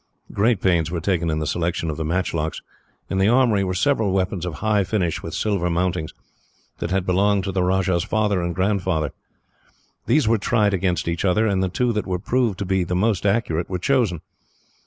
Great pains were taken in the selection of the matchlocks. In the armoury were several weapons of high finish, with silver mountings, that had belonged to the Rajah's father and grandfather. These were tried against each other, and the two that were proved to be the most accurate were chosen.